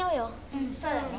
うんそうだね。